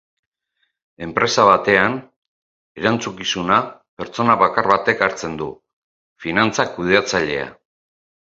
Enpresa batean, erantzukizuna, pertsona bakar batek hartzen du: finantza kudeatzailea.